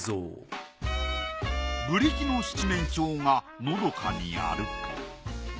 ブリキの七面鳥がのどかに歩く。